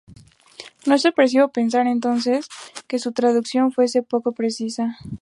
No es sorpresivo pensar entonces, que su traducción fuese poco precisa.